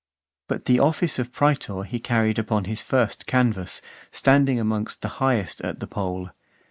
But the office of praetor he carried upon his first canvass, standing amongst the highest at the poll.